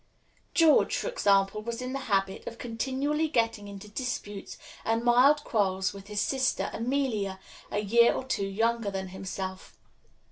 George, for example, was in the habit of continually getting into disputes and mild quarrels with his sister Amelia, a year or two younger than himself.